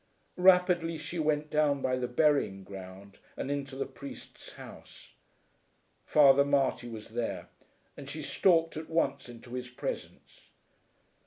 Rapidly she went down by the burying ground, and into the priest's house. Father Marty was there, and she stalked at once into his presence.